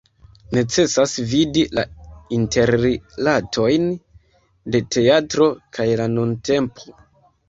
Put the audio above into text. Necesas vidi la interrilatojn de teatro kaj la nuntempo.